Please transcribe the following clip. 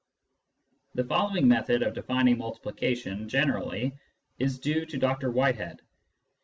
The following method of defining multiplication generally is due to Dr Whitehead.